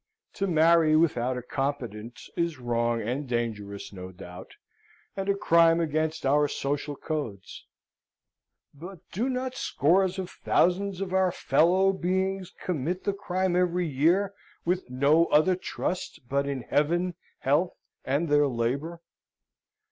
To marry without a competence is wrong and dangerous, no doubt, and a crime against our social codes; but do not scores of thousands of our fellow beings commit the crime every year with no other trust but in, Heaven, health, and their labour?